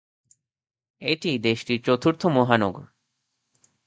এটি দেশটির চতুর্থ মহানগর।